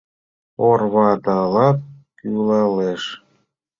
Орвадалат кӱлалеш.